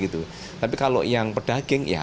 tapi kalau yang pedaging